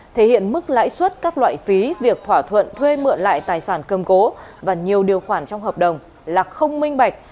thể hiện mức lãi suất các loại phí việc thỏa thuận thuê mượn lại tài sản cầm cố và nhiều điều khoản trong hợp đồng là không minh bạch